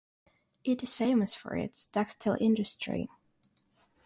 It is famous for its textile industry.